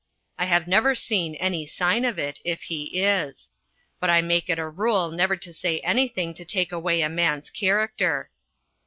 I have never seen any sign of it, if he is. But I make it a rule never to say anything to take away a man's character.